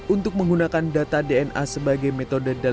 untuk menggunakan data dna sebagai metode dalam perjalanan